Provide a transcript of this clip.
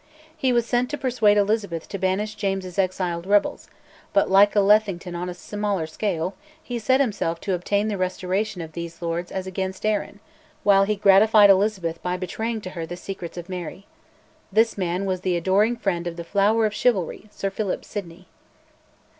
He was sent to persuade Elizabeth to banish James's exiled rebels, but, like a Lethington on a smaller scale, he set himself to obtain the restoration of these lords as against Arran, while he gratified Elizabeth by betraying to her the secrets of Mary. This man was the adoring friend of the flower of chivalry, Sir Philip Sidney!